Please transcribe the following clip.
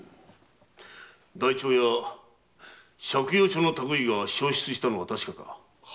台帳や借用書の類いが消失したのは確かか？